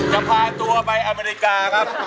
จะพาตัวไปอเมริกาครับ